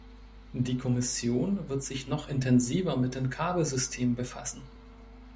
Die Kommission wird sich noch intensiver mit den Kabelsystemen befassen.